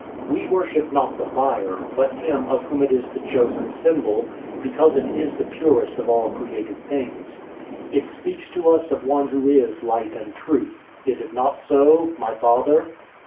We worship not the fire, but Him of whom it is the chosen symbol, because it is the purest of all created things. It speaks to us of one who is Light and Truth. Is it not so, my father?"